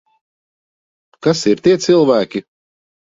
Kas ir tie cilvēki?